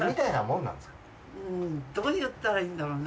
うんどう言ったらいいんだろうな。